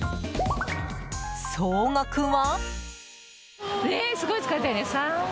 総額は？